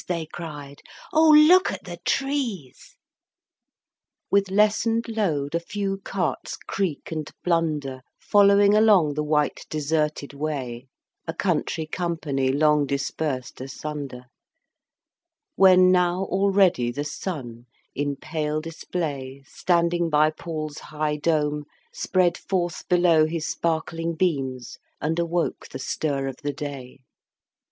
they cried, "O look at the trees!" With lessened load a few carts creak and blunder, Following along the white deserted way, A country company long dispersed asunder: When now already the sun, in pale display Standing by Paul's high dome, spread forth below His sparkling beams, and awoke the stir of the day.